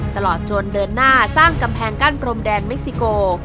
ตลอดจนเดินหน้าสร้างกำแพงกั้นพรมแดนเม็กซิโก